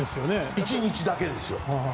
１日だけですよ。